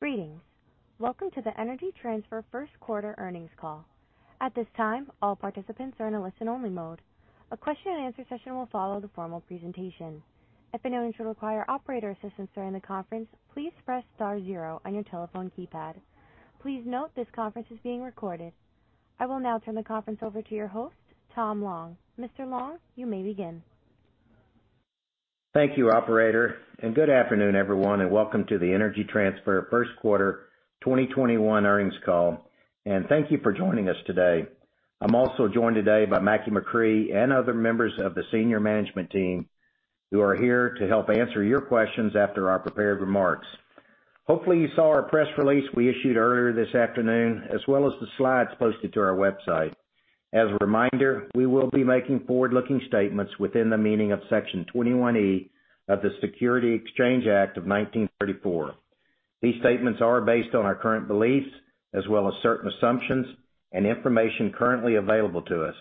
Greetings. Welcome to the Energy Transfer first quarter earnings call. At this time, all participants are in a listen-only mode. A question and answer session will follow the formal presentation. If anyone should require operator assistance during the conference, please press star zero on your telephone keypad. Please note this conference is being recorded. I will now turn the conference over to your host, Tom Long. Mr. Long, you may begin. Thank you, operator, and good afternoon, everyone, and welcome to the Energy Transfer first quarter 2021 earnings call. Thank you for joining us today. I'm also joined today by Mackie McCrea and other members of the senior management team who are here to help answer your questions after our prepared remarks. Hopefully you saw our press release we issued earlier this afternoon, as well as the slides posted to our website. As a reminder, we will be making forward-looking statements within the meaning of Section 21E of the Securities Exchange Act of 1934. These statements are based on our current beliefs as well as certain assumptions and information currently available to us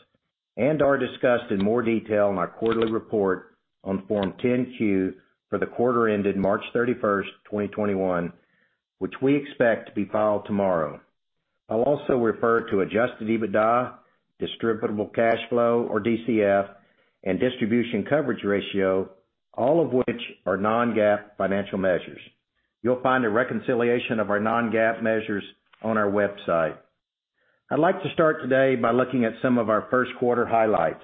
and are discussed in more detail in our quarterly report on Form 10-Q for the quarter ended March 31st, 2021, which we expect to be filed tomorrow. I'll also refer to adjusted EBITDA, distributable cash flow or DCF, and distribution coverage ratio, all of which are non-GAAP financial measures. You'll find a reconciliation of our non-GAAP measures on our website. I'd like to start today by looking at some of our first quarter highlights.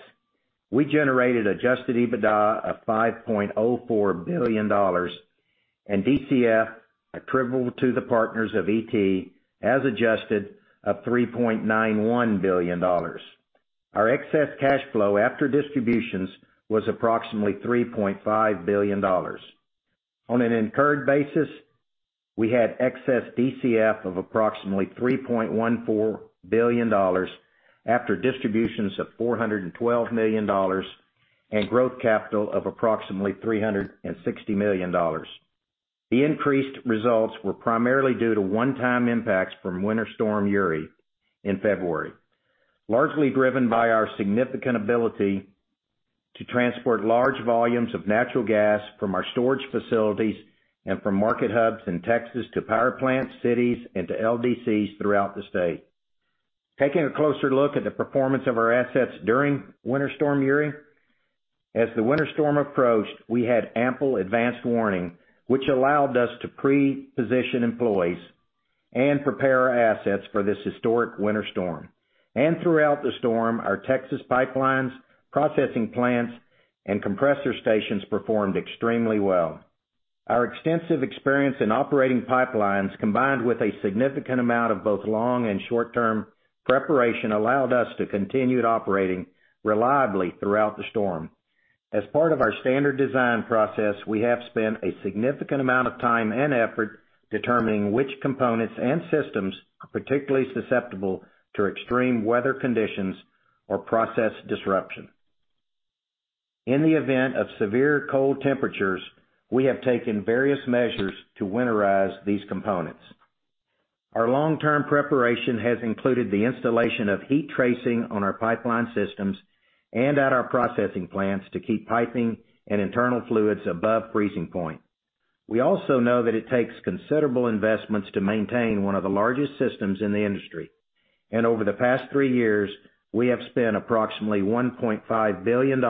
We generated adjusted EBITDA of $5.04 billion and DCF attributable to the partners of ET as adjusted of $3.91 billion. Our excess cash flow after distributions was approximately $3.5 billion. On an incurred basis, we had excess DCF of approximately $3.14 billion after distributions of $412 million and growth capital of approximately $360 million. The increased results were primarily due to one-time impacts from Winter Storm Uri in February, largely driven by our significant ability to transport large volumes of natural gas from our storage facilities and from market hubs in Texas to power plants, cities, and to LDCs throughout the state. Taking a closer look at the performance of our assets during Winter Storm Uri, as the winter storm approached, we had ample advanced warning, which allowed us to pre-position employees and prepare our assets for this historic winter storm. Throughout the storm, our Texas pipelines, processing plants, and compressor stations performed extremely well. Our extensive experience in operating pipelines, combined with a significant amount of both long and short-term preparation, allowed us to continue operating reliably throughout the storm. As part of our standard design process, we have spent a significant amount of time and effort determining which components and systems are particularly susceptible to extreme weather conditions or process disruption. In the event of severe cold temperatures, we have taken various measures to winterize these components. Our long-term preparation has included the installation of heat tracing on our pipeline systems and at our processing plants to keep piping and internal fluids above freezing point. We also know that it takes considerable investments to maintain one of the largest systems in the industry. Over the past three years, we have spent approximately $1.5 billion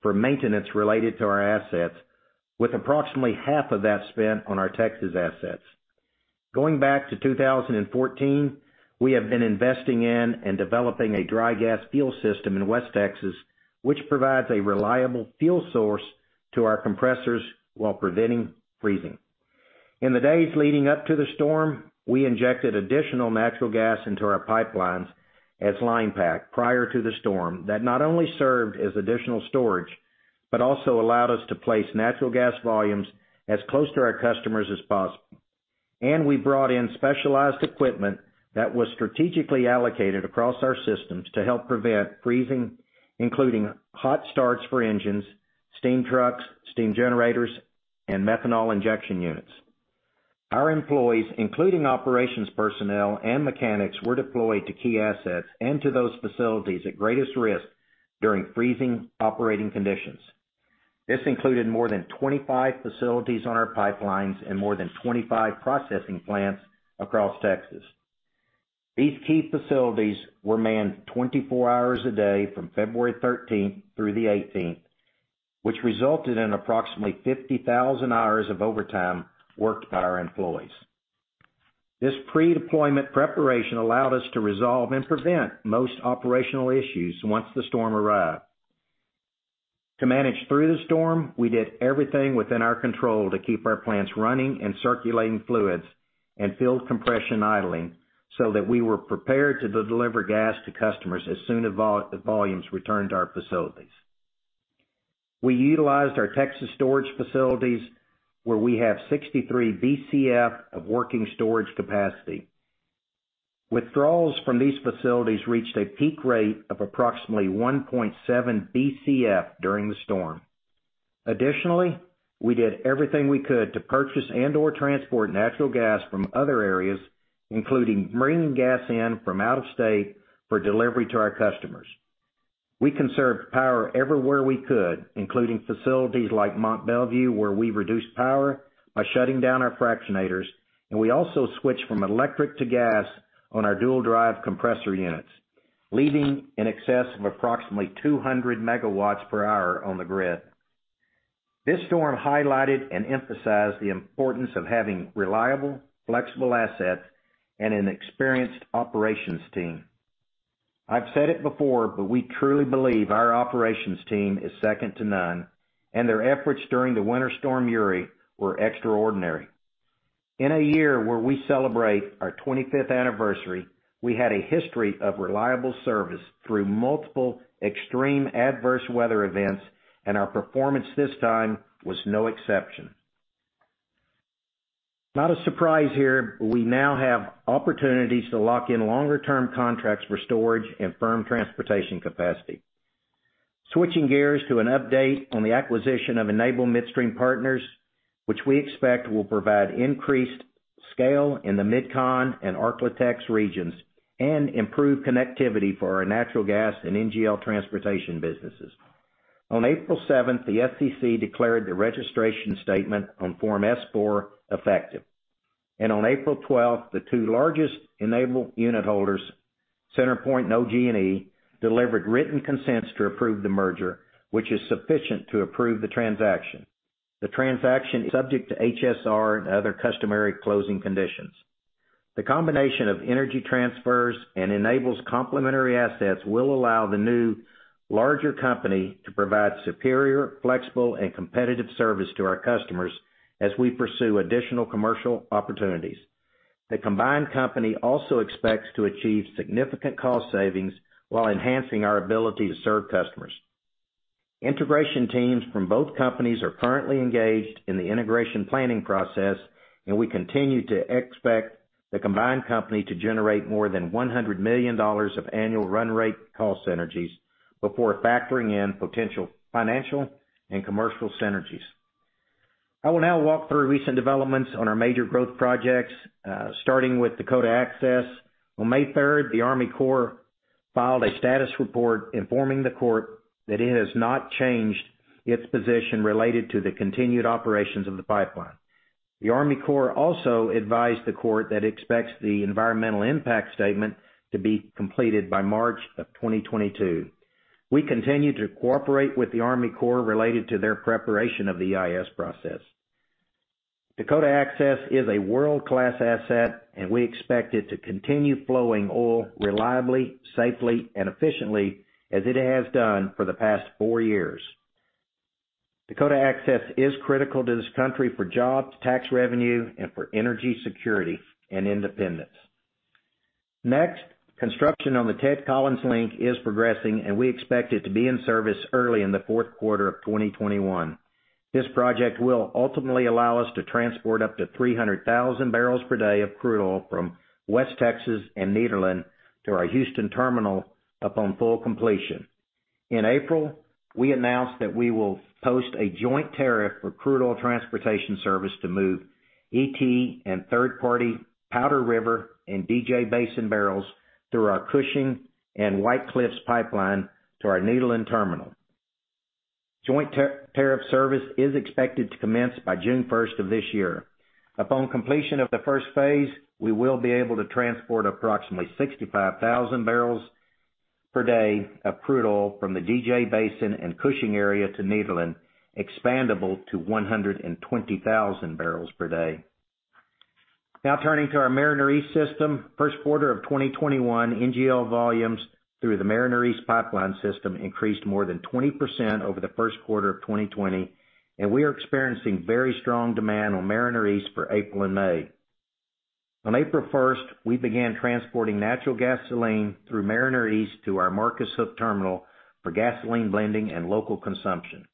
for maintenance related to our assets, with approximately half of that spent on our Texas assets. Going back to 2014, we have been investing in and developing a dry gas fuel system in West Texas, which provides a reliable fuel source to our compressors while preventing freezing. In the days leading up to the storm, we injected additional natural gas into our pipelines as line pack prior to the storm that not only served as additional storage, but also allowed us to place natural gas volumes as close to our customers as possible. We brought in specialized equipment that was strategically allocated across our systems to help prevent freezing, including hot starts for engines, steam trucks, steam generators, and methanol injection units. Our employees, including operations personnel and mechanics, were deployed to key assets and to those facilities at greatest risk during freezing operating conditions. This included more than 25 facilities on our pipelines and more than 25 processing plants across Texas. These key facilities were manned 24 hours a day from February 13th through the 18th, which resulted in approximately 50,000 hours of overtime worked by our employees. This pre-deployment preparation allowed us to resolve and prevent most operational issues once the storm arrived. To manage through the storm, we did everything within our control to keep our plants running and circulating fluids and field compression idling so that we were prepared to deliver gas to customers as soon as the volumes returned to our facilities. We utilized our Texas storage facilities, where we have 63 BCF of working storage capacity. Withdrawals from these facilities reached a peak rate of approximately 1.7 BCF during the storm. We did everything we could to purchase and/or transport natural gas from other areas, including bringing gas in from out of state for delivery to our customers. We conserved power everywhere we could, including facilities like Mont Belvieu, where we reduced power by shutting down our fractionators, and we also switched from electric to gas on our dual drive compressor units, leaving in excess of approximately 200 megawatts per hour on the grid. This storm highlighted and emphasized the importance of having reliable, flexible assets and an experienced operations team. I've said it before, we truly believe our operations team is second to none, and their efforts during the Winter Storm Uri were extraordinary. In a year where we celebrate our 25th anniversary, we had a history of reliable service through multiple extreme adverse weather events, our performance this time was no exception. Not a surprise here, we now have opportunities to lock in longer-term contracts for storage and firm transportation capacity. Switching gears to an update on the acquisition of Enable Midstream Partners, which we expect will provide increased scale in the MidCon and Ark-La-Tex regions and improve connectivity for our natural gas and NGL transportation businesses. On April seventh, the SEC declared the registration statement on Form S-4 effective, and on April 12th, the two largest Enable unit holders, CenterPoint and OG&E, delivered written consents to approve the merger, which is sufficient to approve the transaction. The transaction is subject to HSR and other customary closing conditions. The combination of Energy Transfer's and Enable's complementary assets will allow the new larger company to provide superior, flexible, and competitive service to our customers as we pursue additional commercial opportunities. The combined company also expects to achieve significant cost savings while enhancing our ability to serve customers. Integration teams from both companies are currently engaged in the integration planning process, and we continue to expect the combined company to generate more than $100 million of annual run rate cost synergies before factoring in potential financial and commercial synergies. I will now walk through recent developments on our major growth projects, starting with Dakota Access. On May third, the Army Corps filed a status report informing the court that it has not changed its position related to the continued operations of the pipeline. The Army Corps also advised the court that it expects the environmental impact statement to be completed by March of 2022. We continue to cooperate with the Army Corps related to their preparation of the EIS process. Dakota Access is a world-class asset, and we expect it to continue flowing oil reliably, safely, and efficiently as it has done for the past four years. Dakota Access is critical to this country for jobs, tax revenue, and for energy security and independence. Next, construction on the Ted Collins Link is progressing, and we expect it to be in service early in the fourth quarter of 2021. This project will ultimately allow us to transport up to 300,000 barrels per day of crude oil from West Texas and Nederland to our Houston terminal upon full completion. In April, we announced that we will post a joint tariff for crude oil transportation service to move ET and third-party Powder River and DJ Basin barrels through our Cushing and White Cliffs Pipeline to our Nederland Terminal. Joint tariff service is expected to commence by June first of this year. Upon completion of the first phase, we will be able to transport approximately 65,000 barrels per day of crude oil from the DJ Basin and Cushing area to Nederland, expandable to 120,000 barrels per day. Turning to our Mariner East system. First quarter of 2021, NGL volumes through the Mariner East pipeline system increased more than 20% over the first quarter of 2020. We are experiencing very strong demand on Mariner East for April and May. On April first, we began transporting natural gasoline through Mariner East to our Marcus Hook terminal for gasoline blending and local consumption.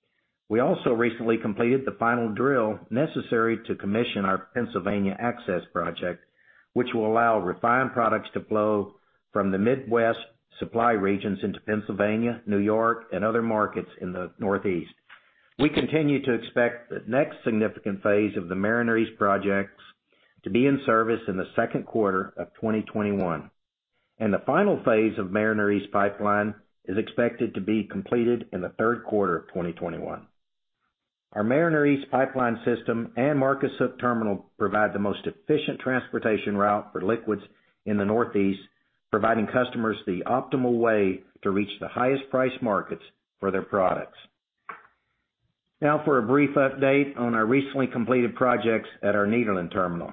We also recently completed the final drill necessary to commission our Pennsylvania Access project, which will allow refined products to flow from the Midwest supply regions into Pennsylvania, New York, and other markets in the Northeast. We continue to expect the next significant phase of the Mariner East projects to be in service in the second quarter of 2021, and the final phase of Mariner East pipeline is expected to be completed in the third quarter of 2021. Our Mariner East pipeline system and Marcus Hook terminal provide the most efficient transportation route for liquids in the Northeast, providing customers the optimal way to reach the highest price markets for their products. Now for a brief update on our recently completed projects at our Nederland terminal.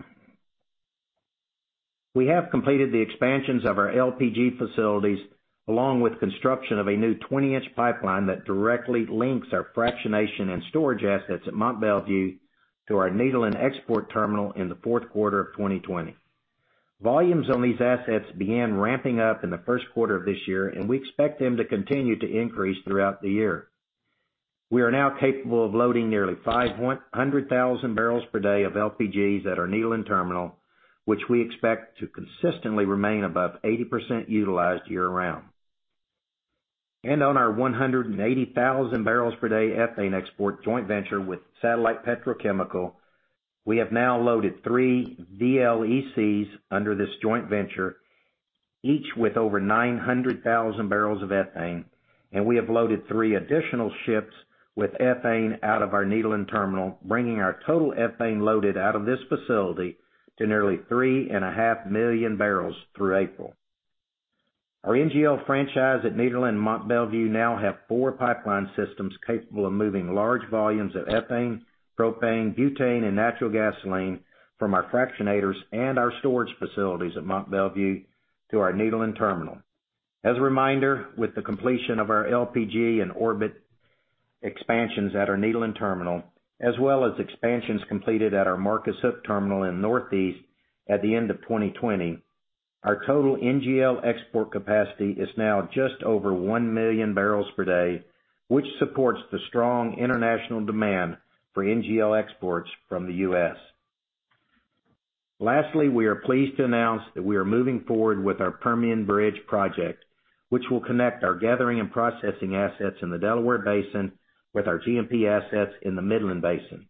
We have completed the expansions of our LPG facilities, along with construction of a new 20-inch pipeline that directly links our fractionation and storage assets at Mont Belvieu to our Nederland export terminal in the fourth quarter of 2020. Volumes on these assets began ramping up in the first quarter of this year, and we expect them to continue to increase throughout the year. We are now capable of loading nearly 500,000 barrels per day of LPGs at our Nederland Terminal, which we expect to consistently remain above 80% utilized year-round. On our 180,000 barrels per day ethane export joint venture with Satellite Petrochemical. We have now loaded three VLECs under this joint venture, each with over 900,000 barrels of ethane, and we have loaded three additional ships with ethane out of our Nederland Terminal, bringing our total ethane loaded out of this facility to nearly 3.5 million barrels through April. Our NGL franchise at Nederland and Mont Belvieu now have four pipeline systems capable of moving large volumes of ethane, propane, butane, and natural gasoline from our fractionators and our storage facilities at Mont Belvieu to our Nederland Terminal. As a reminder, with the completion of our LPG and Orbit expansions at our Nederland Terminal, as well as expansions completed at our Marcus Hook Terminal in Northeast at the end of 2020, our total NGL export capacity is now just over one million barrels per day, which supports the strong international demand for NGL exports from the U.S. We are pleased to announce that we are moving forward with our Permian Bridge project, which will connect our gathering and processing assets in the Delaware Basin with our G&P assets in the Midland Basin.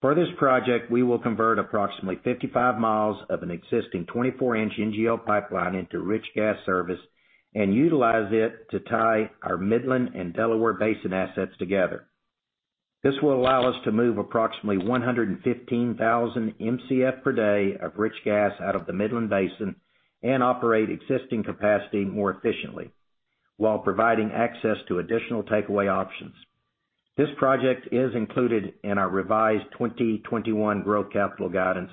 For this project, we will convert approximately 55 mi of an existing 24-inch NGL pipeline into rich gas service and utilize it to tie our Midland and Delaware Basin assets together. This will allow us to move approximately 115,000 Mcf per day of rich gas out of the Midland Basin and operate existing capacity more efficiently while providing access to additional takeaway options. This project is included in our revised 2021 growth capital guidance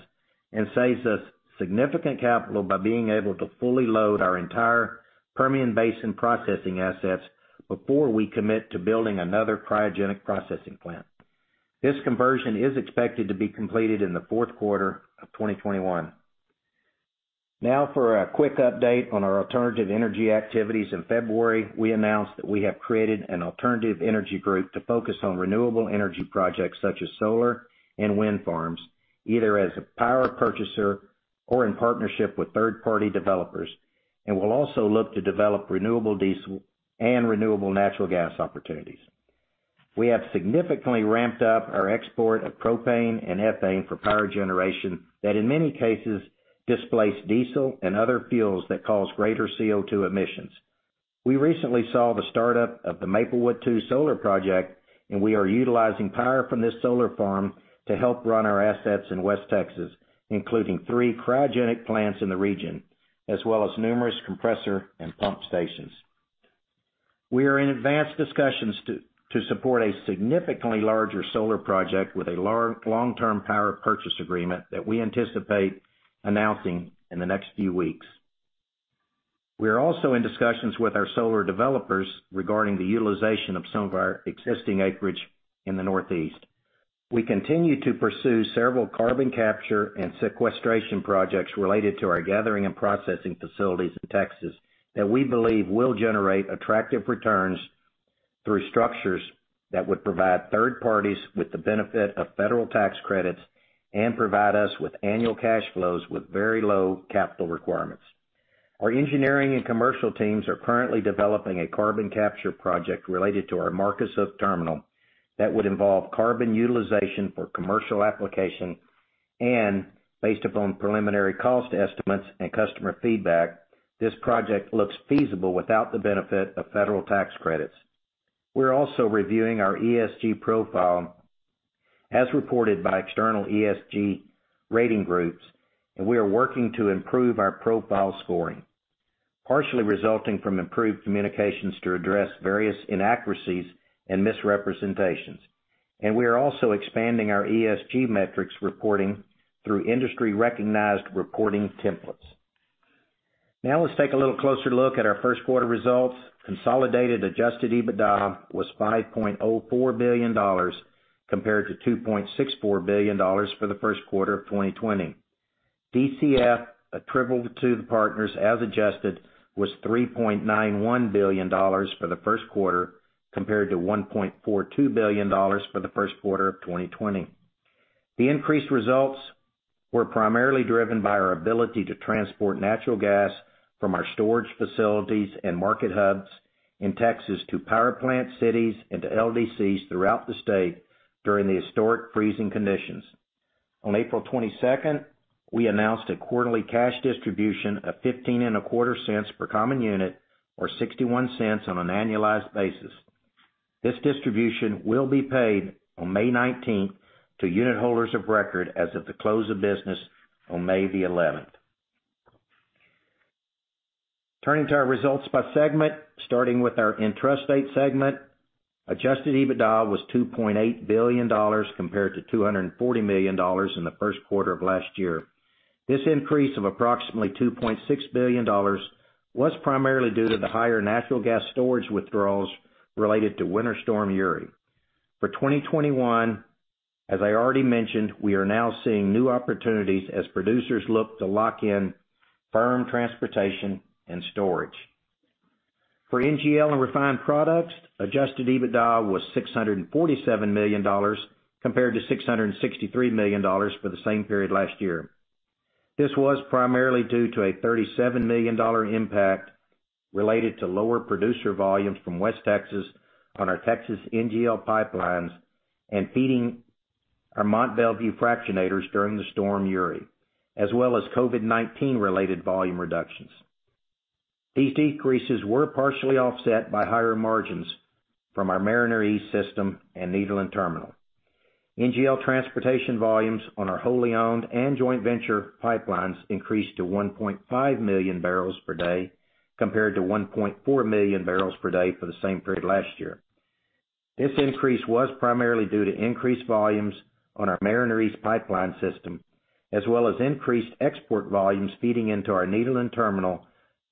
and saves us significant capital by being able to fully load our entire Permian Basin processing assets before we commit to building another cryogenic processing plant. This conversion is expected to be completed in the fourth quarter of 2021. Now, for a quick update on our alternative energy activities. In February, we announced that we have created an alternative energy group to focus on renewable energy projects such as solar and wind farms, either as a power purchaser or in partnership with third-party developers. We'll also look to develop renewable diesel and renewable natural gas opportunities. We have significantly ramped up our export of propane and ethane for power generation that in many cases, displace diesel and other fuels that cause greater CO2 emissions. We recently saw the startup of the Maplewood 2 Solar Project. We are utilizing power from this solar farm to help run our assets in West Texas, including three cryogenic plants in the region, as well as numerous compressor and pump stations. We are in advanced discussions to support a significantly larger solar project with a long-term power purchase agreement that we anticipate announcing in the next few weeks. We are also in discussions with our solar developers regarding the utilization of some of our existing acreage in the Northeast. We continue to pursue several carbon capture and sequestration projects related to our gathering and processing facilities in Texas that we believe will generate attractive returns through structures that would provide third parties with the benefit of federal tax credits and provide us with annual cash flows with very low capital requirements. Our engineering and commercial teams are currently developing a carbon capture project related to our Marcus Hook terminal that would involve carbon utilization for commercial application. Based upon preliminary cost estimates and customer feedback, this project looks feasible without the benefit of federal tax credits. We're also reviewing our ESG profile as reported by external ESG rating groups, and we are working to improve our profile scoring, partially resulting from improved communications to address various inaccuracies and misrepresentations. We are also expanding our ESG metrics reporting through industry-recognized reporting templates. Let's take a little closer look at our first quarter results. Consolidated adjusted EBITDA was $5.04 billion compared to $2.64 billion for the first quarter of 2020. DCF attributable to the partners as adjusted was $3.91 billion for the first quarter compared to $1.42 billion for the first quarter of 2020. The increased results were primarily driven by our ability to transport natural gas from our storage facilities and market hubs in Texas to power plant cities and to LDCs throughout the state during the historic freezing conditions. On April 22nd, we announced a quarterly cash distribution of 15 and a quarter cents per common unit, or $0.61 on an annualized basis. This distribution will be paid on May 19th to unit holders of record as of the close of business on May the 11th. Turning to our results by segment, starting with our intrastate segment. Adjusted EBITDA was $2.8 billion compared to $240 million in the first quarter of last year. This increase of approximately $2.6 billion was primarily due to the higher natural gas storage withdrawals related to Winter Storm Uri. For 2021, as I already mentioned, we are now seeing new opportunities as producers look to lock in firm transportation and storage. For NGL and refined products, adjusted EBITDA was $647 million compared to $663 million for the same period last year. This was primarily due to a $37 million impact related to lower producer volumes from West Texas on our Texas NGL pipelines, and feeding our Mont Belvieu fractionators during Winter Storm Uri, as well as COVID-19 related volume reductions. These decreases were partially offset by higher margins from our Mariner East system and Nederland Terminal. NGL transportation volumes on our wholly owned and joint venture pipelines increased to 1.5 million barrels per day compared to 1.4 million barrels per day for the same period last year. This increase was primarily due to increased volumes on our Mariner East pipeline system, as well as increased export volumes feeding into our Nederland Terminal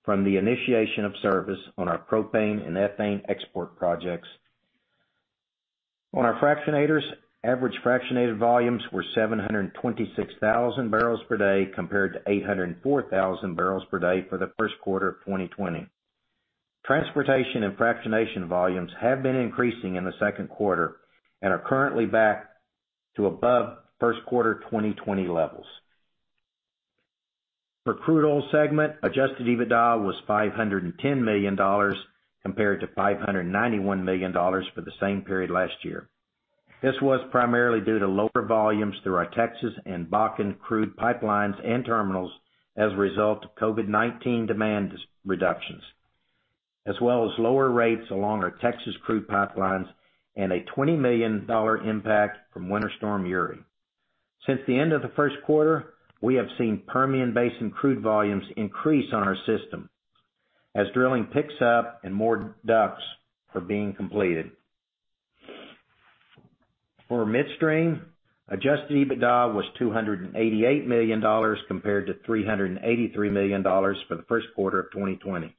from the initiation of service on our propane and ethane export projects. On our fractionators, average fractionator volumes were 726,000 barrels per day compared to 804,000 barrels per day for the first quarter of 2020. Transportation and fractionation volumes have been increasing in the second quarter, and are currently back to above first quarter 2020 levels. For crude oil segment, adjusted EBITDA was $510 million compared to $591 million for the same period last year. This was primarily due to lower volumes through our Texas and Bakken crude pipelines and terminals as a result of COVID-19 demand reductions, as well as lower rates along our Texas crude pipelines and a $20 million impact from Winter Storm Uri. Since the end of the first quarter, we have seen Permian Basin crude volumes increase on our system as drilling picks up and more DUCs are being completed. For midstream, adjusted EBITDA was $288 million compared to $383 million for the first quarter of 2020.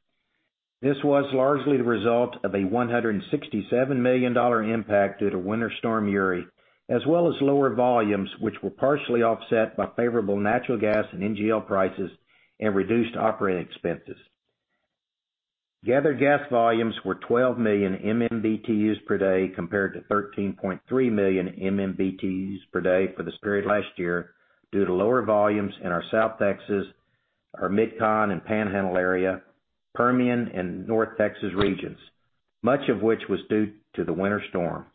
This was largely the result of a $167 million impact due to Winter Storm Uri, as well as lower volumes, which were partially offset by favorable natural gas and NGL prices and reduced operating expenses. Gathered gas volumes were 12 million MMBtus per day, compared to 13.3 million MMBtus per day for this period last year due to lower volumes in our South Texas, our MidCon and Panhandle area, Permian, and North Texas regions, much of which was due to the winter storm.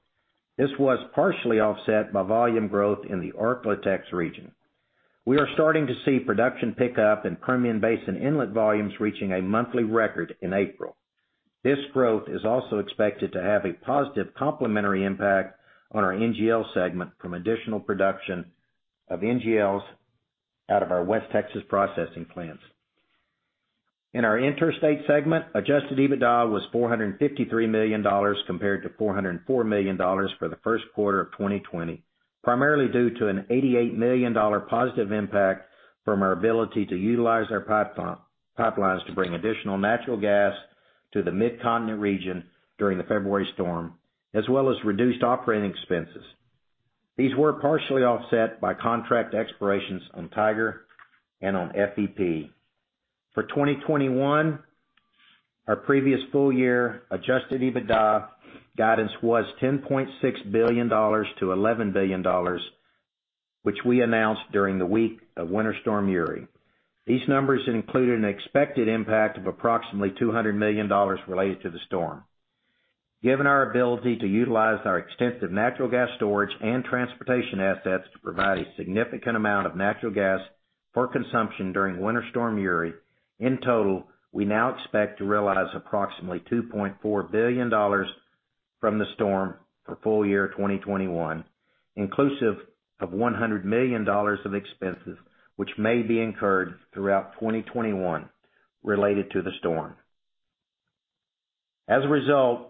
This was partially offset by volume growth in the Ark-La-Tex region. We are starting to see production pick up in Permian Basin inlet volumes reaching a monthly record in April. This growth is also expected to have a positive complementary impact on our NGL segment from additional production of NGLs out of our West Texas processing plants. In our interstate segment, adjusted EBITDA was $453 million compared to $404 million for the first quarter of 2020, primarily due to an $88 million positive impact from our ability to utilize our pipelines to bring additional natural gas to the Mid-Continent region during the February storm, as well as reduced operating expenses. These were partially offset by contract expirations on Tiger and on FEP. For 2021, our previous full-year adjusted EBITDA guidance was $10.6 billion-$11 billion, which we announced during the week of Winter Storm Uri. These numbers included an expected impact of approximately $200 million related to the storm. Given our ability to utilize our extensive natural gas storage and transportation assets to provide a significant amount of natural gas for consumption during Winter Storm Uri, in total, we now expect to realize approximately $2.4 billion from the storm for full-year 2021, inclusive of $100 million of expenses which may be incurred throughout 2021 related to the storm.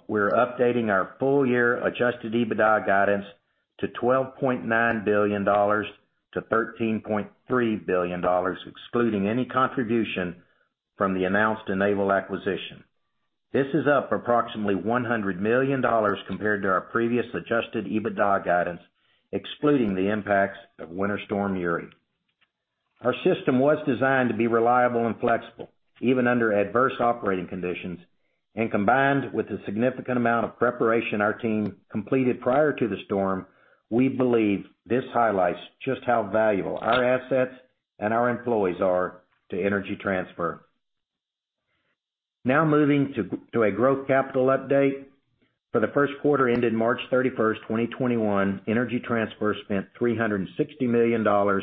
We're updating our full-year adjusted EBITDA guidance to $12.9 billion-$13.3 billion, excluding any contribution from the announced Enable acquisition. This is up approximately $100 million compared to our previous adjusted EBITDA guidance, excluding the impacts of Winter Storm Uri. Our system was designed to be reliable and flexible, even under adverse operating conditions, and combined with the significant amount of preparation our team completed prior to the storm. We believe this highlights just how valuable our assets and our employees are to Energy Transfer. Now moving to a growth capital update. For the first quarter ended March 31st, 2021, Energy Transfer spent $360 million on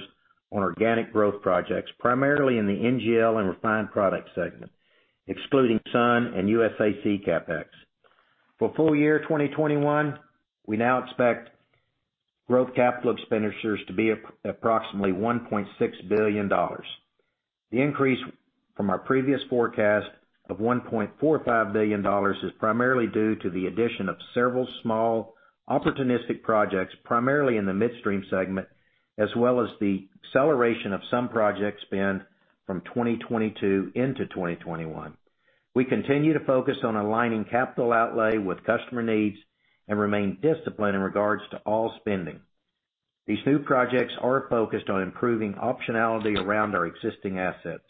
organic growth projects, primarily in the NGL and refined product segment, excluding Sun and USAC CapEx. For full-year 2021, we now expect growth capital expenditures to be approximately $1.6 billion. The increase from our previous forecast of $1.45 billion is primarily due to the addition of several small opportunistic projects, primarily in the midstream segment, as well as the acceleration of some project spend from 2022 into 2021. We continue to focus on aligning capital outlay with customer needs and remain disciplined in regards to all spending. These new projects are focused on improving optionality around our existing assets.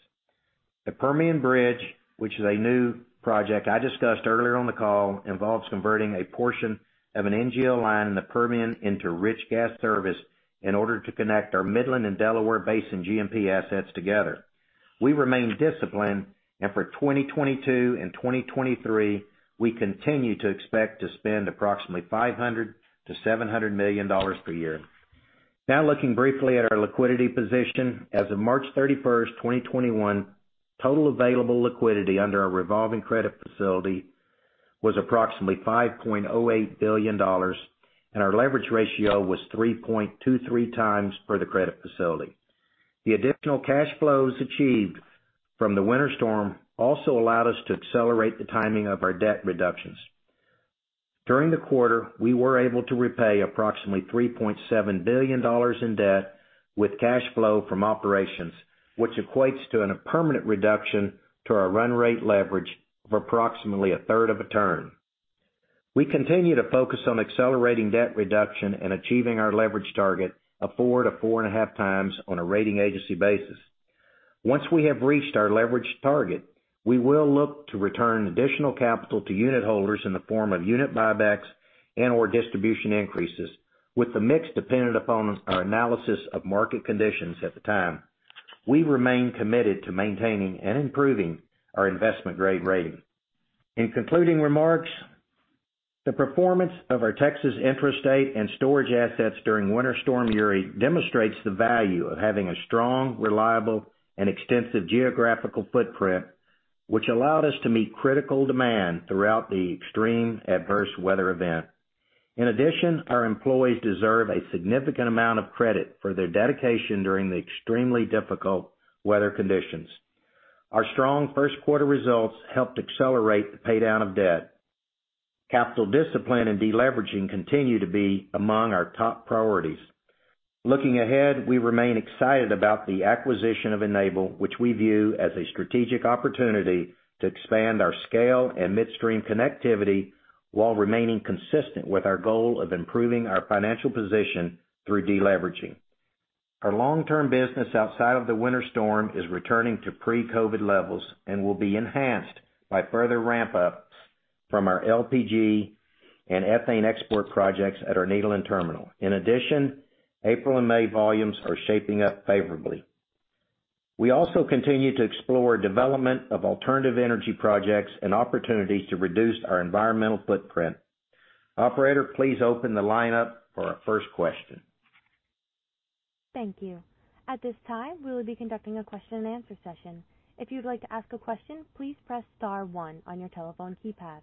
The Permian Bridge, which is a new project I discussed earlier on the call, involves converting a portion of an NGL line in the Permian into rich gas service in order to connect our Midland and Delaware Basin G&P assets together. For 2022 and 2023, we continue to expect to spend approximately $500 million-$700 million per year. Looking briefly at our liquidity position. As of March 31st, 2021, total available liquidity under our revolving credit facility was approximately $5.08 billion. Our leverage ratio was 3.23x for the credit facility. The additional cash flows achieved from the winter storm also allowed us to accelerate the timing of our debt reductions. During the quarter, we were able to repay approximately $3.7 billion in debt with cash flow from operations, which equates to a permanent reduction to our run rate leverage of approximately a 1/3 of a turn. We continue to focus on accelerating debt reduction and achieving our leverage target of four to four and a half times on a rating agency basis. Once we have reached our leverage target, we will look to return additional capital to unitholders in the form of unit buybacks and/or distribution increases, with the mix dependent upon our analysis of market conditions at the time. We remain committed to maintaining and improving our investment-grade rating. In concluding remarks, the performance of our Texas intrastate and storage assets during Winter Storm Uri demonstrates the value of having a strong, reliable, and extensive geographical footprint, which allowed us to meet critical demand throughout the extreme adverse weather event. In addition, our employees deserve a significant amount of credit for their dedication during the extremely difficult weather conditions. Our strong first quarter results helped accelerate the pay-down of debt. Capital discipline and de-leveraging continue to be among our top priorities. Looking ahead, we remain excited about the acquisition of Enable, which we view as a strategic opportunity to expand our scale and midstream connectivity while remaining consistent with our goal of improving our financial position through de-leveraging. Our long-term business outside of the Winter Storm Uri is returning to pre-COVID levels and will be enhanced by further ramp-ups from our LPG and ethane export projects at our Nederland Terminal. April and May volumes are shaping up favorably. We also continue to explore development of alternative energy projects and opportunities to reduce our environmental footprint. Operator, please open the line up for our first question. Thank you. At this time, we will be conducting a question and answer session. If you'd like to ask a question, please press star one on your telephone keypad.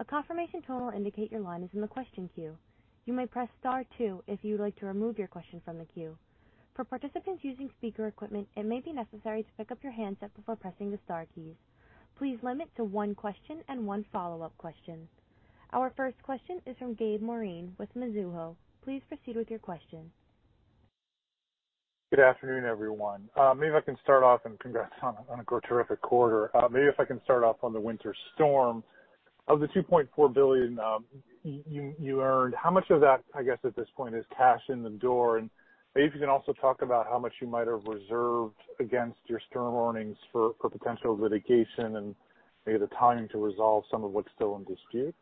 A confirmation tone will indicate your line is in the question queue. You may press star two if you'd like to remove your question from the queue. For participants using speaker equipment, it may be necessary to pick up your handset before pressing the star key. Please limit to one question and one follow-up question. Our first question is from Gabe Moreen with Mizuho. Please proceed with your question. Good afternoon, everyone. Maybe if I can start off, congrats on a terrific quarter. Maybe if I can start off on the winter storm. Of the $2.4 billion you earned, how much of that, I guess, at this point, is cash in the door? Maybe if you can also talk about how much you might have reserved against your storm warnings for potential litigation and maybe the timing to resolve some of what's still in dispute.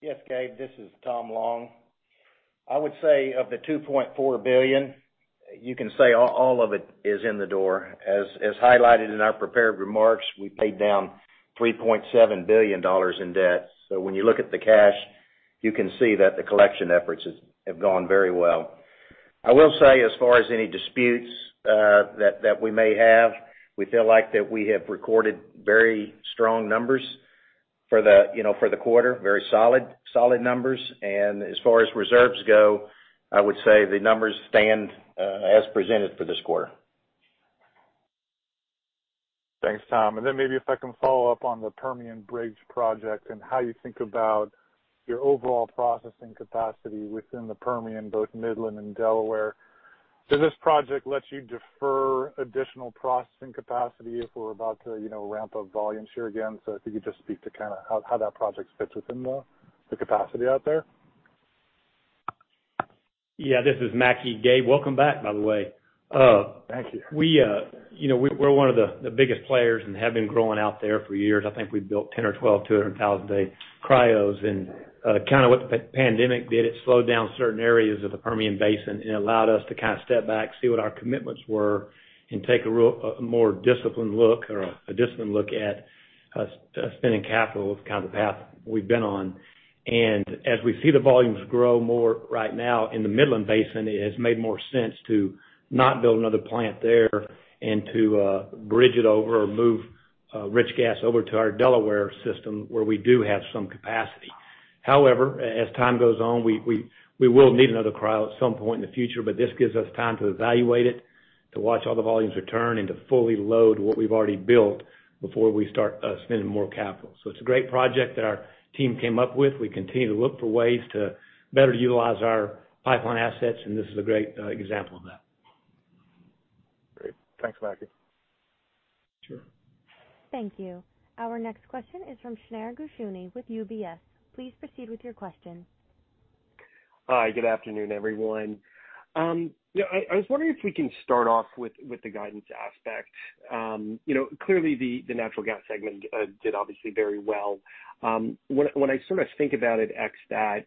Yes, Gabe. This is Tom Long. I would say of the $2.4 billion, you can say all of it is in the door. As highlighted in our prepared remarks, we paid down $3.7 billion in debt. When you look at the cash, you can see that the collection efforts have gone very well. I will say, as far as any disputes that we may have, we feel like that we have recorded very strong numbers for the quarter, very solid numbers. As far as reserves go, I would say the numbers stand as presented for this quarter. Thanks, Tom. Maybe if I can follow up on the Permian Bridge project and how you think about your overall processing capacity within the Permian, both Midland and Delaware. Does this project let you defer additional processing capacity if we're about to ramp up volumes here again? If you could just speak to kind of how that project fits within the capacity out there. Yeah, this is Mackie. Gabe, welcome back, by the way. Thank you. We're one of the biggest players and have been growing out there for years. I think we've built 10 or 12, 200,000 a day cryos. Kind of what the pandemic did, it slowed down certain areas of the Permian Basin, and it allowed us to kind of step back, see what our commitments were, and take a more disciplined look at spending capital with kind of the path we've been on. As we see the volumes grow more right now in the Midland Basin, it has made more sense to not build another plant there and to bridge it over or move rich gas over to our Delaware system, where we do have some capacity. As time goes on, we will need another cryo at some point in the future, but this gives us time to evaluate it, to watch all the volumes return, and to fully load what we've already built before we start spending more capital. It's a great project that our team came up with. We continue to look for ways to better utilize our pipeline assets, and this is a great example of that. Great. Thanks, Mackie. Sure. Thank you. Our next question is from Shneur Gershuni with UBS. Please proceed with your question. Hi, good afternoon, everyone. I was wondering if we can start off with the guidance aspect. Clearly, the natural gas segment did obviously very well. When I think about it, ex that,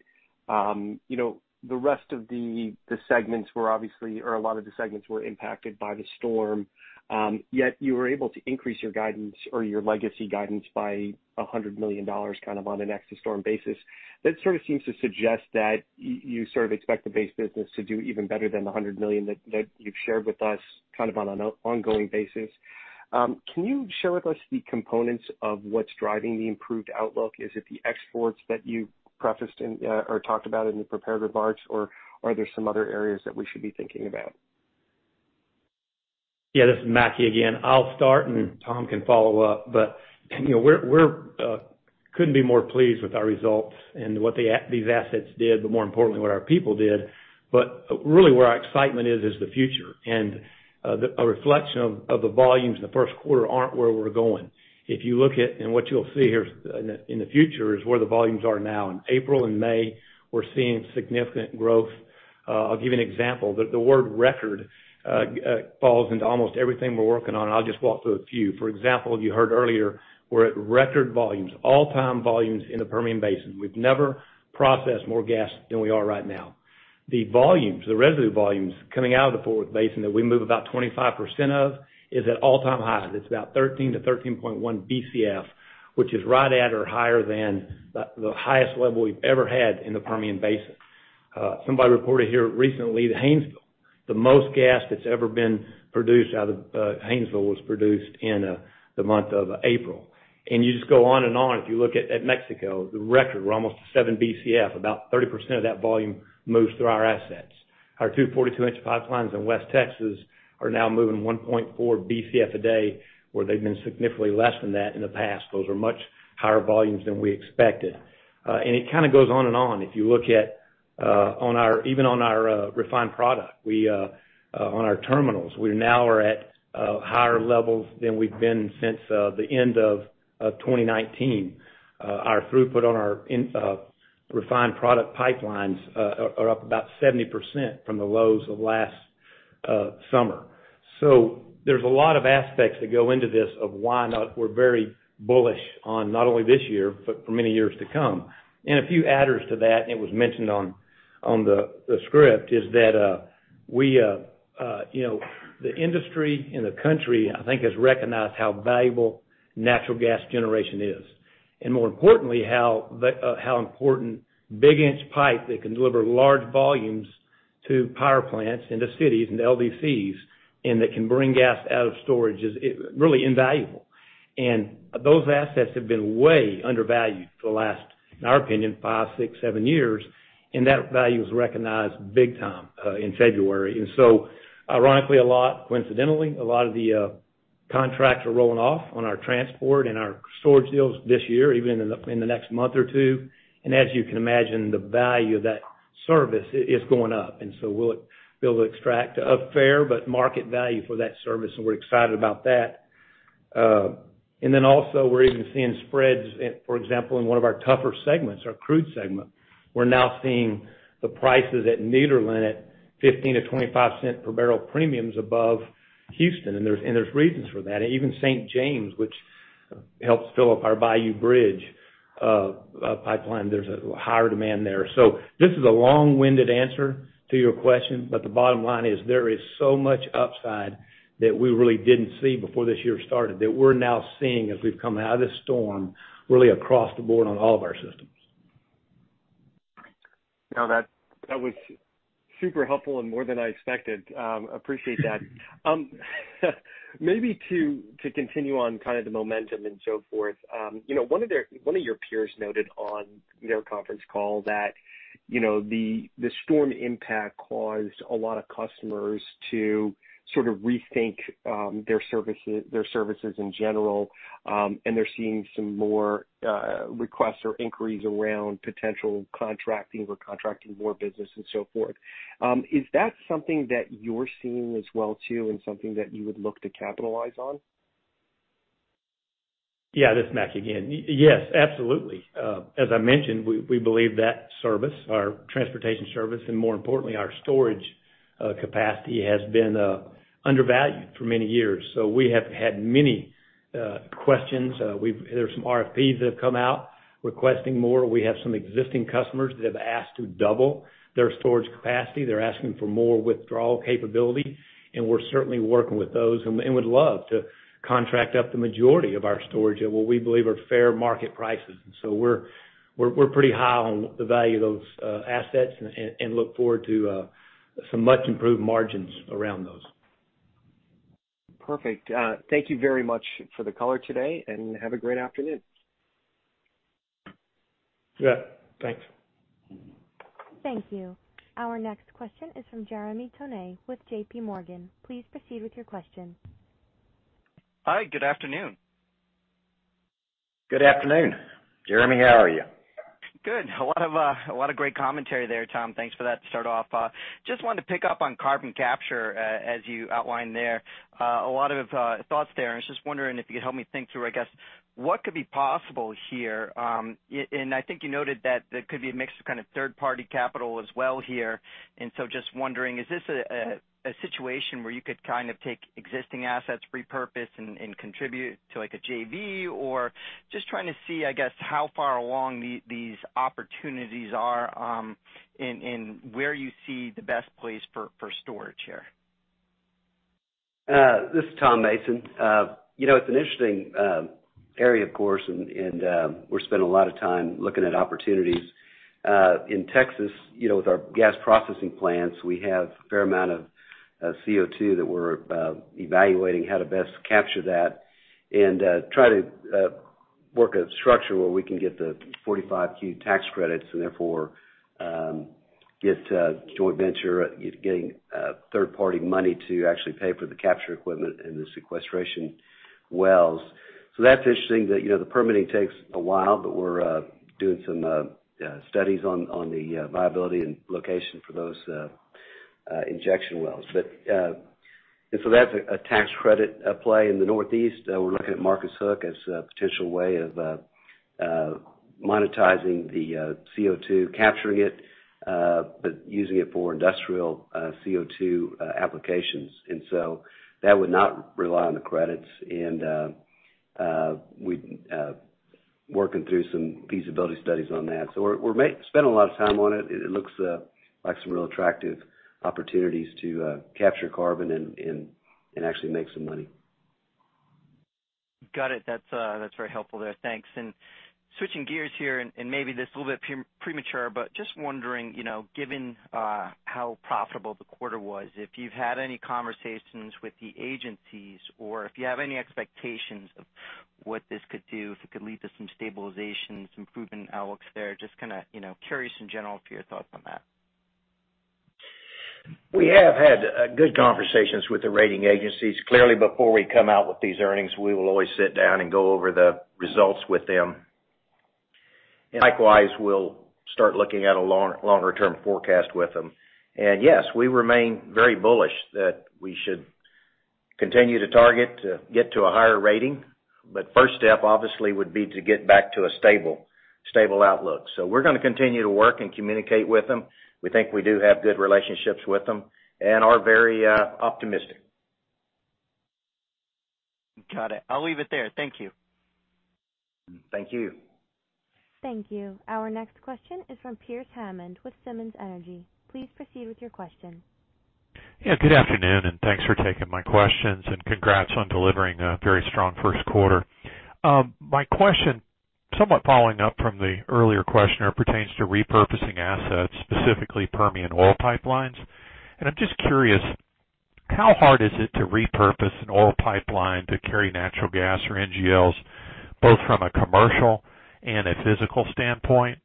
the rest of the segments were obviously, or a lot of the segments were impacted by the storm, yet you were able to increase your guidance or your legacy guidance by $100 million on an ex to storm basis. That sort of seems to suggest that you expect the base business to do even better than the $100 million that you've shared with us on an ongoing basis. Can you share with us the components of what's driving the improved outlook? Is it the exports that you prefaced or talked about in your prepared remarks, or are there some other areas that we should be thinking about? Yeah. This is Mackie again. I'll start, and Tom can follow up. We couldn't be more pleased with our results and what these assets did, but more importantly, what our people did. Really where our excitement is the future. A reflection of the volumes in the first quarter aren't where we're going. If you look at, and what you'll see here in the future is where the volumes are now. In April and May, we're seeing significant growth. I'll give you an example. The word record falls into almost everything we're working on, and I'll just walk through a few. For example, you heard earlier, we're at record volumes, all-time volumes in the Permian Basin. We've never processed more gas than we are right now. The volumes, the residue volumes coming out of the Fort Worth Basin that we move about 25% of is at all-time highs. It's about 13 BCF-13.1 BCF, which is right at or higher than the highest level we've ever had in the Permian Basin. Somebody reported here recently that Haynesville, the most gas that's ever been produced out of Haynesville, was produced in the month of April. You just go on and on. If you look at Mexico, the record, we're almost to seven BCF. About 30% of that volume moves through our assets. Our two 42-inch pipelines in West Texas are now moving 1.4 BCF a day, where they've been significantly less than that in the past. Those are much higher volumes than we expected. It kind of goes on and on. If you look at even on our refined product, on our terminals, we now are at higher levels than we've been since the end of 2019. Our throughput on our refined product pipelines are up about 70% from the lows of last summer. There's a lot of aspects that go into this of why we're very bullish on not only this year, but for many years to come. A few adders to that, and it was mentioned on the script, is that the industry and the country, I think, has recognized how valuable natural gas generation is, and more importantly, how important big inch pipe that can deliver large volumes to power plants into cities and LDCs, and that can bring gas out of storage is really invaluable. Those assets have been way undervalued for the last, in our opinion, five, six, seven years, and that value is recognized big time in February. Ironically, coincidentally, a lot of the contracts are rolling off on our transport and our storage deals this year, even in the next month or two. As you can imagine, the value of that service is going up. We'll be able to extract a fair but market value for that service, and we're excited about that. Also, we're even seeing spreads, for example, in one of our tougher segments, our crude segment. We're now seeing the prices at Nederland at $0.15-$0.25 per barrel premiums above Houston, and there's reasons for that. Even St. James, which helps fill up our Bayou Bridge Pipeline, there's a higher demand there. This is a long-winded answer to your question, but the bottom line is there is so much upside that we really didn't see before this year started, that we're now seeing as we've come out of this storm, really across the board on all of our systems. No, that was super helpful and more than I expected. Appreciate that. Maybe to continue on kind of the momentum and so forth. One of your peers noted on their conference call that the storm impact caused a lot of customers to sort of rethink their services in general. They're seeing some more requests or inquiries around potential contracting or contracting more business and so forth. Is that something that you're seeing as well too, and something that you would look to capitalize on? Yeah, this is Mackie again. Yes, absolutely. As I mentioned, we believe that service, our transportation service, and more importantly, our storage capacity, has been undervalued for many years. We have had many questions. There's some RFPs that have come out requesting more. We have some existing customers that have asked to double their storage capacity. They're asking for more withdrawal capability, and we're certainly working with those and would love to contract up the majority of our storage at what we believe are fair market prices. We're pretty high on the value of those assets and look forward to some much improved margins around those. Perfect. Thank you very much for the color today, and have a great afternoon. Yeah. Thanks. Thank you. Our next question is from Jeremy Tonet with JPMorgan. Please proceed with your question. Hi, good afternoon. Good afternoon, Jeremy. How are you? Good. A lot of great commentary there, Tom. Thanks for that to start off. Wanted to pick up on carbon capture, as you outlined there. A lot of thoughts there. I was just wondering if you could help me think through, I guess, what could be possible here. I think you noted that there could be a mix of kind of third-party capital as well here. Wondering, is this a situation where you could kind of take existing assets, repurpose and contribute to a JV? Trying to see, I guess, how far along these opportunities are, and where you see the best place for storage here. This is Tom Mason. It's an interesting area, of course, and we're spending a lot of time looking at opportunities. In Texas with our gas processing plants, we have a fair amount of CO2 that we're evaluating how to best capture that and try to work a structure where we can get the Section 45Q tax credits, and therefore, get a joint venture, getting third-party money to actually pay for the capture equipment and the sequestration wells. That's interesting that the permitting takes a while, but we're doing some studies on the viability and location for those injection wells. That's a tax credit play in the Northeast. We're looking at Marcus Hook as a potential way of monetizing the CO2, capturing it, but using it for industrial CO2 applications. That would not rely on the credits and working through some feasibility studies on that. We're spending a lot of time on it. It looks like some real attractive opportunities to capture carbon and actually make some money. Got it. That's very helpful there. Thanks. Switching gears here, and maybe this is a little bit premature, but just wondering, given how profitable the quarter was, if you've had any conversations with the agencies or if you have any expectations of what this could do, if it could lead to some stabilization, some proven outlooks there, just kind of curious in general for your thoughts on that. We have had good conversations with the rating agencies. Clearly, before we come out with these earnings, we will always sit down and go over the results with them. Likewise, we'll start looking at a longer-term forecast with them. Yes, we remain very bullish that we should continue to target to get to a higher rating. First step, obviously, would be to get back to a stable outlook. We're going to continue to work and communicate with them. We think we do have good relationships with them and are very optimistic. Got it. I'll leave it there. Thank you. Thank you. Thank you. Our next question is from Pearce Hammond with Simmons Energy. Please proceed with your question. Yeah, good afternoon. Thanks for taking my questions. Congrats on delivering a very strong first quarter. My question, somewhat following up from the earlier questioner, pertains to repurposing assets, specifically Permian oil pipelines. I'm just curious, how hard is it to repurpose an oil pipeline to carry natural gas or NGLs, both from a commercial and a physical standpoint?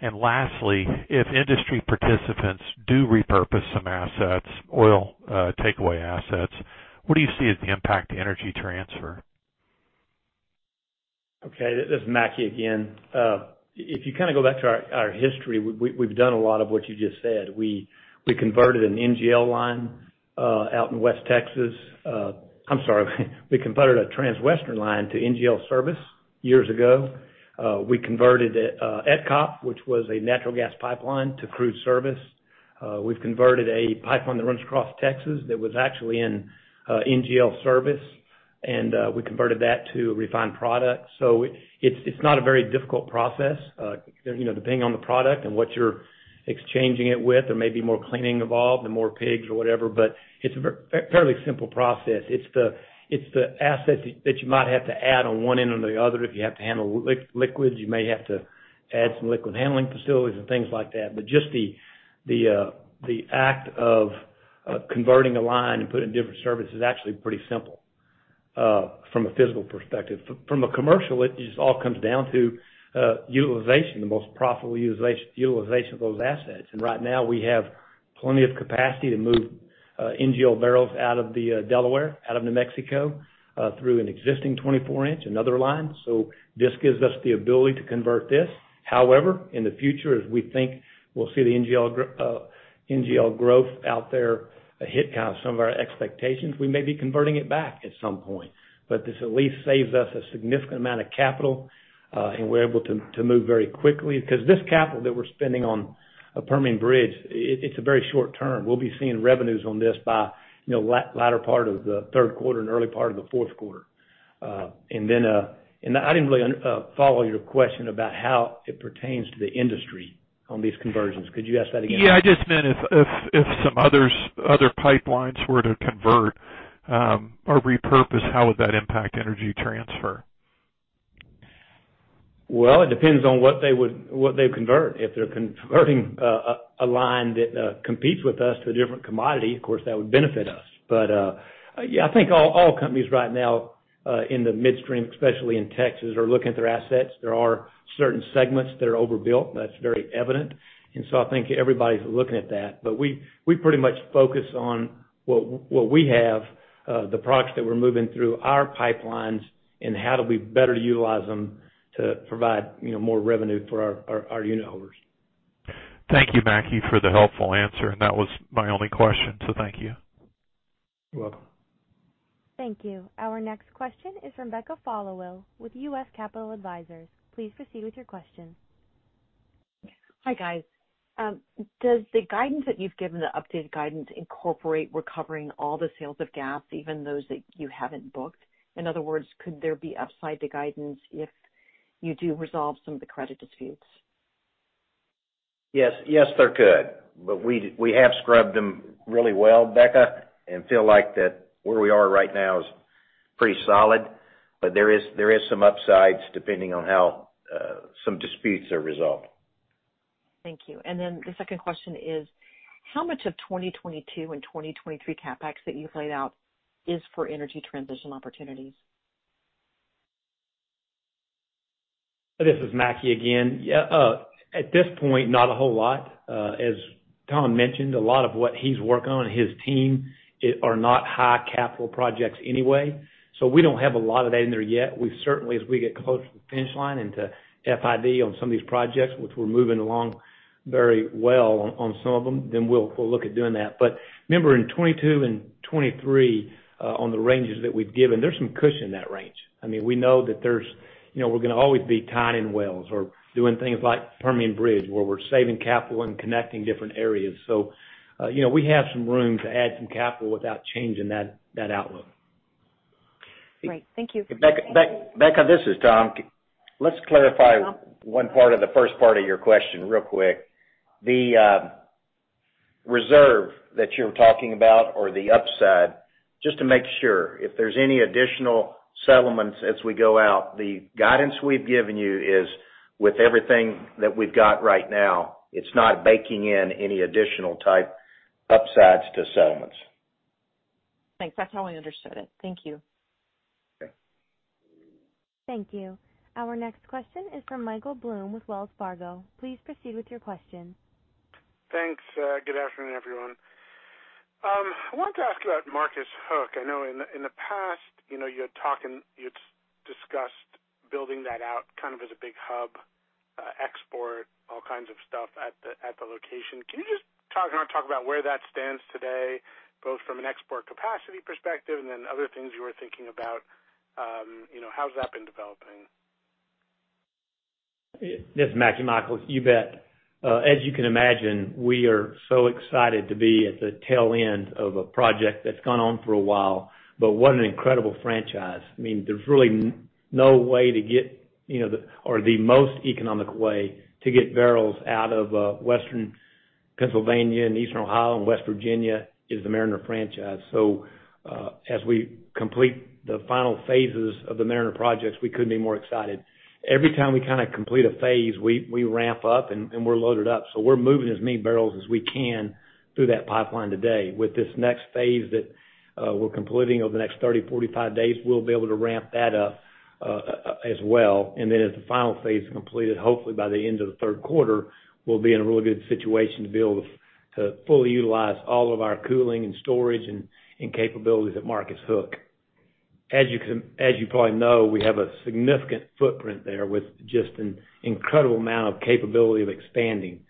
Lastly, if industry participants do repurpose some assets, oil takeaway assets, what do you see as the impact to Energy Transfer? Okay, this is Mackie again. If you kind of go back to our history, we've done a lot of what you just said. We converted an NGL line out in West Texas. I'm sorry, we converted a Transwestern line to NGL service years ago. We converted ETCOP, which was a natural gas pipeline to crude service. We've converted a pipeline that runs across Texas that was actually an NGL service, and we converted that to refined product. It's not a very difficult process. Depending on the product and what you're exchanging it with, there may be more cleaning involved and more pigs or whatever, but it's a fairly simple process. It's the assets that you might have to add on one end or the other. If you have to handle liquids, you may have to add some liquid handling facilities and things like that. Just the act of converting a line and putting different services is actually pretty simple from a physical perspective. From a commercial, it just all comes down to utilization, the most profitable utilization of those assets. Right now, we have plenty of capacity to move NGL barrels out of the Delaware, out of New Mexico, through an existing 24 inch, another line. This gives us the ability to convert this. In the future, as we think we'll see the NGL growth out there hit kind of some of our expectations, we may be converting it back at some point. This at least saves us a significant amount of capital, and we're able to move very quickly because this capital that we're spending on a Permian Bridge, it's a very short term. We'll be seeing revenues on this by latter part of the third quarter and early part of the fourth quarter. I didn't really follow your question about how it pertains to the industry on these conversions. Could you ask that again? Yeah, I just meant if some other pipelines were to convert or repurpose, how would that impact Energy Transfer? Well, it depends on what they would convert. If they're converting a line that competes with us to a different commodity, of course that would benefit us. I think all companies right now in the midstream, especially in Texas, are looking at their assets. There are certain segments that are overbuilt. That's very evident. I think everybody's looking at that. We pretty much focus on what we have, the products that we're moving through our pipelines, and how do we better utilize them to provide more revenue for our unit holders. Thank you, Mackie, for the helpful answer, and that was my only question, so thank you. You're welcome. Thank you. Our next question is from Becca Followill with U.S. Capital Advisors. Please proceed with your question. Hi, guys. Does the guidance that you've given, the updated guidance, incorporate recovering all the sales of gas, even those that you haven't booked? In other words, could there be upside to guidance if you do resolve some of the credit disputes? Yes, there could, but we have scrubbed them really well, Becca, and feel like that where we are right now is pretty solid. There is some upsides depending on how some disputes are resolved. Thank you. The second question is, how much of 2022 and 2023 CapEx that you've laid out is for energy transition opportunities? This is Mackie again. At this point, not a whole lot. As Tom Long mentioned, a lot of what he's working on and his team are not high capital projects anyway. We don't have a lot of that in there yet. We certainly, as we get closer to the finish line into FID on some of these projects, which we're moving along very well on some of them, we'll look at doing that. Remember, in 2022 and 2023, on the ranges that we've given, there's some cushion in that range. We know that we're going to always be tying wells or doing things like Permian Bridge, where we're saving capital and connecting different areas. We have some room to add some capital without changing that outlook. Great. Thank you. Becca, this is Tom. Let's clarify one part of the first part of your question real quick. The reserve that you're talking about or the upside, just to make sure, if there's any additional settlements as we go out, the guidance we've given you is with everything that we've got right now. It's not baking in any additional type upsides to settlements. Thanks. That's how I understood it. Thank you. Okay. Thank you. Our next question is from Michael Blum with Wells Fargo. Please proceed with your question. Thanks. Good afternoon, everyone. I wanted to ask about Marcus Hook. I know in the past, you had discussed building that out kind of as a big hub, export all kinds of stuff at the location. Can you just talk about where that stands today, both from an export capacity perspective and then other things you were thinking about? How has that been developing? This is Mackie, Michael. You bet. As you can imagine, we are so excited to be at the tail end of a project that's gone on for a while, but what an incredible franchise. There's really no way to get or the most economic way to get barrels out of Western Pennsylvania and Eastern Ohio and West Virginia is the Mariner franchise. As we complete the final phases of the Mariner projects, we couldn't be more excited. Every time we kind of complete a phase, we ramp up, and we're loaded up. We're moving as many barrels as we can through that pipeline today. With this next phase that we're completing over the next 30, 45 days, we'll be able to ramp that up as well. Then as the final phase is completed, hopefully by the end of the third quarter, we'll be in a really good situation to be able to fully utilize all of our cooling and storage and capabilities at Marcus Hook. As you probably know, we have a significant footprint there with just an incredible amount of capability of expanding.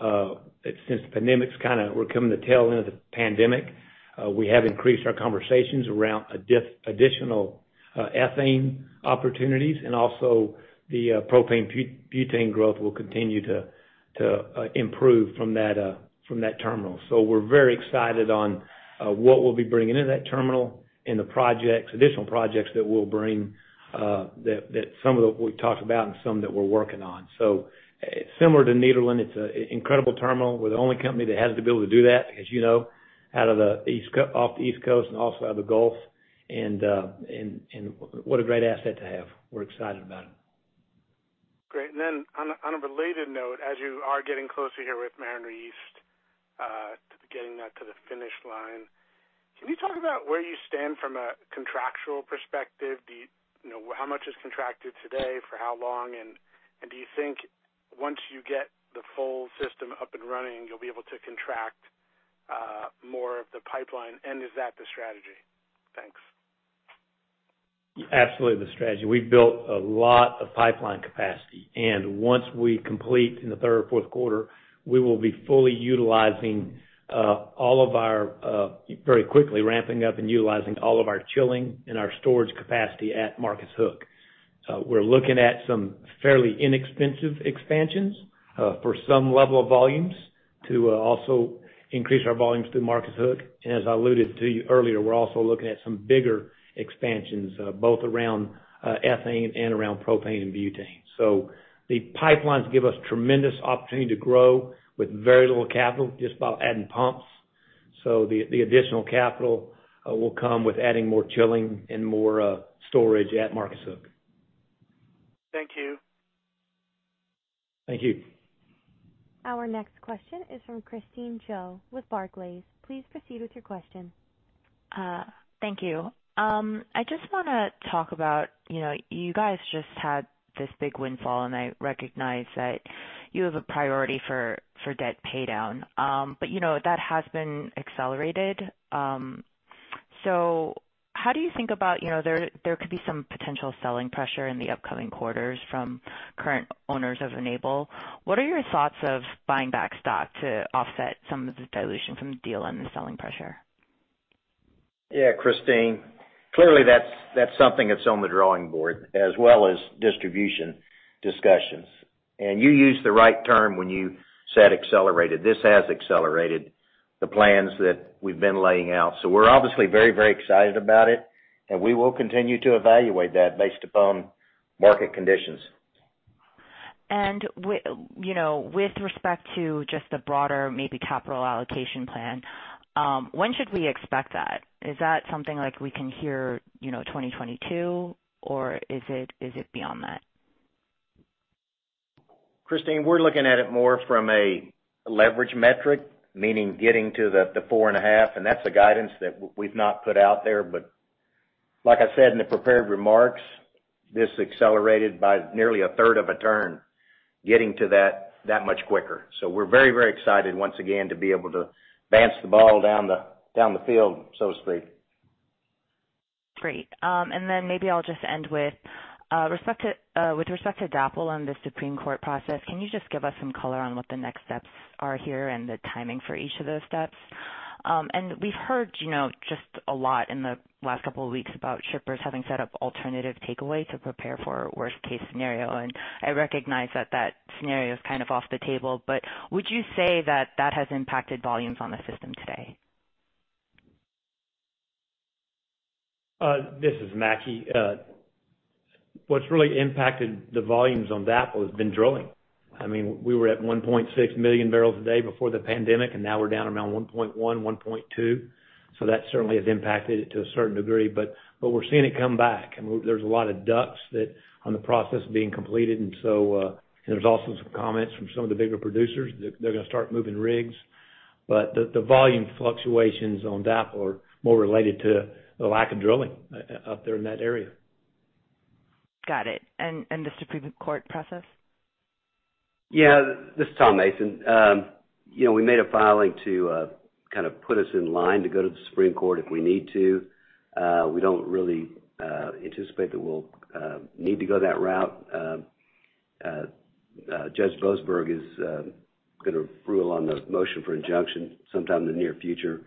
Since the pandemic's we're coming to the tail end of the pandemic, we have increased our conversations around additional ethane opportunities, and also the propane butane growth will continue to improve from that terminal. We're very excited on what we'll be bringing into that terminal and the additional projects that we'll bring that some of what we've talked about and some that we're working on. Similar to Nederland, it's an incredible terminal. We're the only company that has the ability to do that, as you know, off the East Coast and also out of the Gulf, and what a great asset to have. We're excited about it. Great. On a related note, as you are getting closer here with Mariner East, getting that to the finish line, can you talk about where you stand from a contractual perspective? How much is contracted today, for how long, and do you think once you get the full system up and running, you'll be able to contract more of the pipeline? Is that the strategy? Thanks. Absolutely the strategy. We've built a lot of pipeline capacity, and once we complete in the third or fourth quarter, we will be very quickly ramping up and utilizing all of our chilling and our storage capacity at Marcus Hook. We're looking at some fairly inexpensive expansions for some level of volumes to also increase our volumes through Marcus Hook. As I alluded to you earlier, we're also looking at some bigger expansions, both around ethane and around propane and butane. The pipelines give us tremendous opportunity to grow with very little capital, just by adding pumps. The additional capital will come with adding more chilling and more storage at Marcus Hook. Thank you. Thank you. Our next question is from Christine Cho with Barclays. Please proceed with your question. Thank you. I just want to talk about, you guys just had this big windfall, I recognize that you have a priority for debt paydown. That has been accelerated. How do you think about, there could be some potential selling pressure in the upcoming quarters from current owners of Enable. What are your thoughts on buying back stock to offset some of the dilution from the deal and the selling pressure? Yeah, Christine. Clearly, that's something that's on the drawing board, as well as distribution discussions. You used the right term when you said accelerated. This has accelerated the plans that we've been laying out. We're obviously very excited about it, and we will continue to evaluate that based upon market conditions. With respect to just the broader maybe capital allocation plan, when should we expect that? Is that something we can hear, 2022, or is it beyond that? Christine, we're looking at it more from a leverage metric, meaning getting to the 4.5. That's the guidance that we've not put out there. Like I said in the prepared remarks, this accelerated by nearly a 1/3 of a turn, getting to that much quicker. We're very excited once again to be able to advance the ball down the field, so to speak. Great. Then maybe I'll just end with respect to DAPL and the Supreme Court process, can you just give us some color on what the next steps are here and the timing for each of those steps? We've heard just a lot in the last couple of weeks about shippers having set up alternative takeaway to prepare for worst case scenario, and I recognize that scenario is kind of off the table, but would you say that has impacted volumes on the system today? This is Mackie. What's really impacted the volumes on DAPL has been drilling. We were at 1.6 million barrels a day before the pandemic. Now we're down around 1.1 to 1.2. That certainly has impacted it to a certain degree, but we're seeing it come back. There's a lot of DUCs that are in the process of being completed. There's also some comments from some of the bigger producers that they're going to start moving rigs. The volume fluctuations on DAPL are more related to the lack of drilling up there in that area. Got it. The Supreme Court process? Yeah. This is Tom Mason. We made a filing to kind of put us in line to go to the Supreme Court if we need to. We don't really anticipate that we'll need to go that route. Judge Boasberg is going to rule on the motion for injunction sometime in the near future.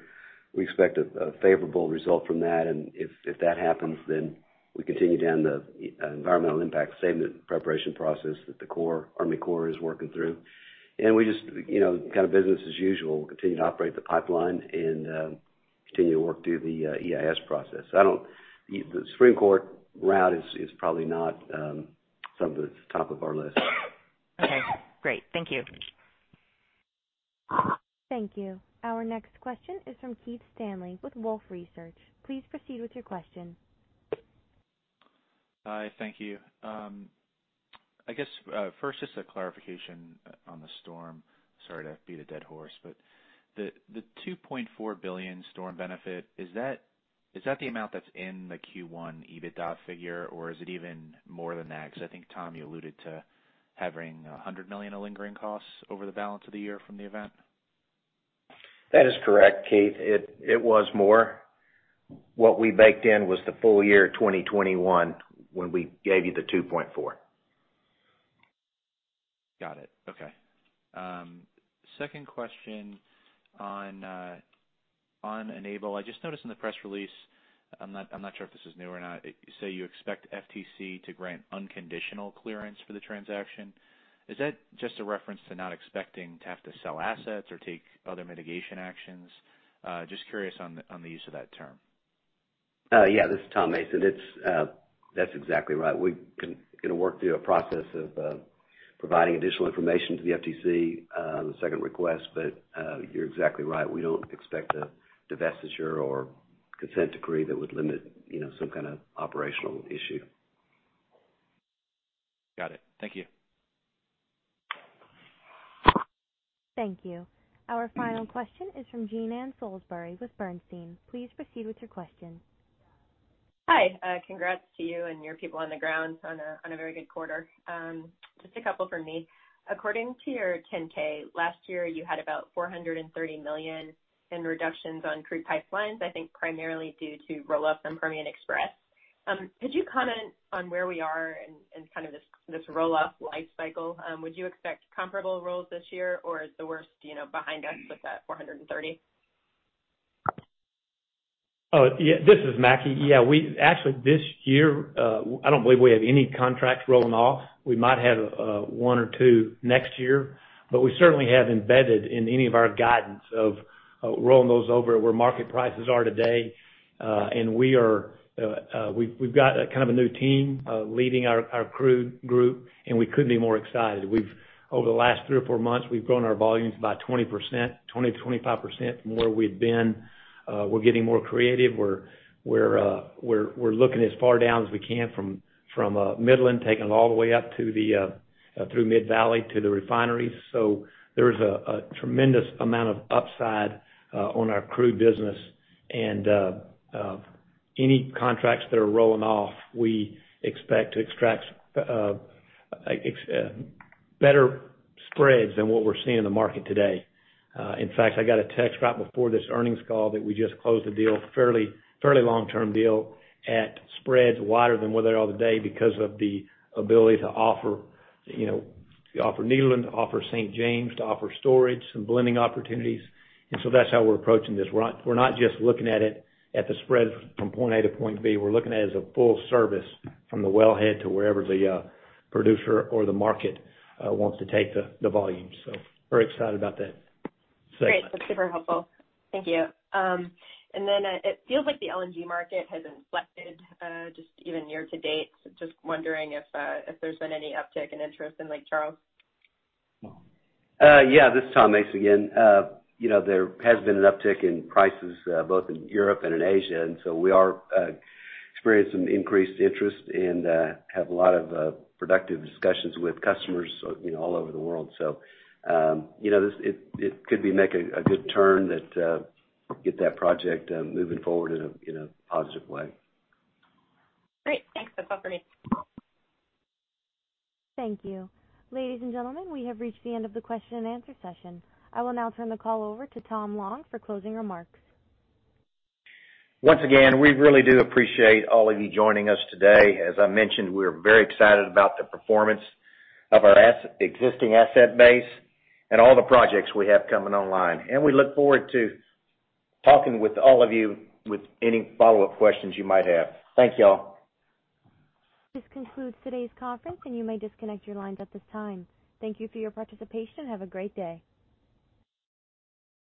We expect a favorable result from that, and if that happens, then we continue down the Environmental Impact Statement preparation process that the Army Corps is working through. We just, kind of business as usual, continue to operate the pipeline and continue to work through the EIS process. The Supreme Court route is probably not something that's at the top of our list. Okay, great. Thank you. Thank you. Our next question is from Keith Stanley with Wolfe Research. Please proceed with your question. Hi. Thank you. I guess, first, just a clarification on the storm. Sorry to beat a dead horse, the $2.4 billion storm benefit, is that the amount that's in the Q1 EBITDA figure, or is it even more than that? I think, Tom, you alluded to having $100 million of lingering costs over the balance of the year from the event. That is correct, Keith. It was more. What we baked in was the full year 2021 when we gave you the $2.4. Got it. Okay. Second question on Enable. I just noticed in the press release, I'm not sure if this is new or not, you say you expect FTC to grant unconditional clearance for the transaction. Is that just a reference to not expecting to have to sell assets or take other mitigation actions? Just curious on the use of that term. Yeah. This is Tom Mason. That's exactly right. We're going to work through a process of providing additional information to the FTC on the second request. You're exactly right. We don't expect a divestiture or consent decree that would limit some kind of operational issue. Got it. Thank you. Thank you. Our final question is from Jean Ann Salisbury with Bernstein. Please proceed with your question. Hi. Congrats to you and your people on the ground on a very good quarter. Just a couple from me. According to your Form 10-K, last year you had about $430 million in reductions on crude pipelines, I think primarily due to roll-offs from Permian Express. Could you comment on where we are in kind of this roll-off life cycle? Would you expect comparable rolls this year, or is the worst behind us with that $430? Yeah. This is Mackie. Actually, this year, I don't believe we have any contracts rolling off. We might have one or two next year. We certainly have embedded in any of our guidance of rolling those over where market prices are today. We've got kind of a new team leading our crude group, and we couldn't be more excited. Over the last three or four months, we've grown our volumes by 20%-25% from where we'd been. We're getting more creative. We're looking as far down as we can from Midland, taking it all the way up through Mid-Valley Pipeline to the refineries. There is a tremendous amount of upside on our crude business. Any contracts that are rolling off, we expect to extract better spreads than what we're seeing in the market today. In fact, I got a text right before this earnings call that we just closed a deal, fairly long-term deal, at spreads wider than what they are today because of the ability to offer Nederland, to offer St. James, to offer storage, some blending opportunities. That's how we're approaching this. We're not just looking at the spread from point A to point B. We're looking at it as a full service from the wellhead to wherever the producer or the market wants to take the volume. Very excited about that segment. Great. That's super helpful. Thank you. It feels like the LNG market has inflected just even year-to-date. Just wondering if there's been any uptick in interest in Lake Charles. This is Tom Mason again. There has been an uptick in prices both in Europe and in Asia, and so we are experiencing increased interest and have a lot of productive discussions with customers all over the world. It could make a good turn that get that project moving forward in a positive way. Great. Thanks. That's all for me. Thank you. Ladies and gentlemen, we have reached the end of the question and answer session. I will now turn the call over to Tom Long for closing remarks. Once again, we really do appreciate all of you joining us today. As I mentioned, we are very excited about the performance of our existing asset base and all the projects we have coming online. We look forward to talking with all of you with any follow-up questions you might have. Thank you all. This concludes today's conference, and you may disconnect your lines at this time. Thank you for your participation and have a great day.